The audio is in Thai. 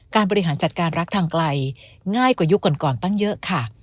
บริหารจัดการรักทางไกลง่ายกว่ายุคก่อนตั้งเยอะค่ะ